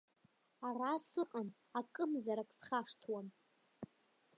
Ара сыҟан акымзарак схашҭуам.